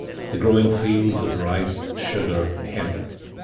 the growing fields of rice, sugar, hemp!